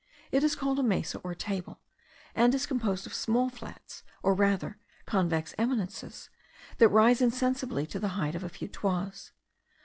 It is called a mesa or table, and is composed of small flats, or rather convex eminences, that rise insensibly to the height of a few toises.